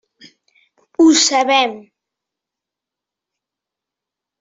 Ho sabem.